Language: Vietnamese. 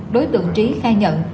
đối tượng trí khai nhận